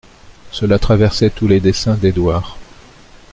Cela traversait tous les desseins d'Édouard.